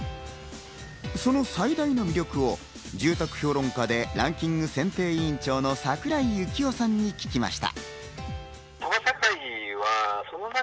その最大の魅力を住宅評論家でランキング選定委員長の櫻井幸雄さんに聞きました。